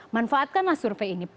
manfaatkanlah survei ini